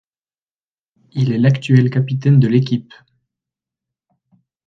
Il est l'actuel capitaine de l'équipe.